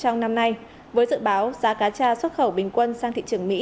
trong năm nay với dự báo giá cá tra xuất khẩu bình quân sang thị trường mỹ